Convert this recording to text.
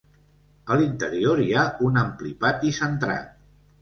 A l'interior, hi ha un ampli pati centrat.